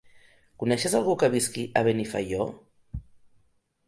Coneixes algú que visqui a Benifaió?